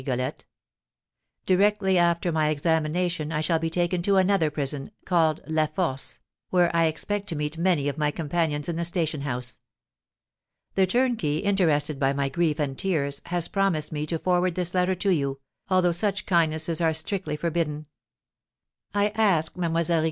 Rigolette. Directly after my examination I shall be taken to another prison, called La Force, where I expect to meet many of my companions in the station house. The turnkey, interested by my grief and tears, has promised me to forward this letter to you, although such kindnesses are strictly forbidden. I ask, Mlle.